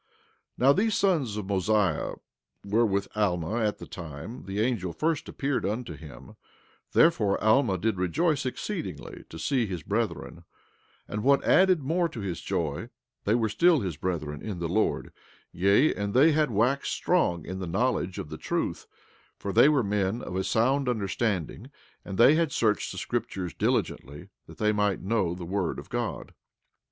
17:2 Now these sons of Mosiah were with Alma at the time the angel first appeared unto him; therefore Alma did rejoice exceedingly to see his brethren; and what added more to his joy, they were still his brethren in the Lord; yea, and they had waxed strong in the knowledge of the truth; for they were men of a sound understanding and they had searched the scriptures diligently, that they might know the word of God.